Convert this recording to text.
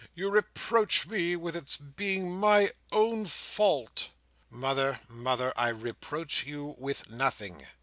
—you reproach me with its being my own fault." "Mother, mother, I reproach you with nothing.